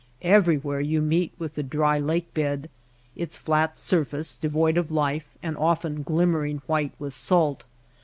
Everywhere you meet with the dry lake bed — its flat surface devoid of life and of ten glimmering white with salt.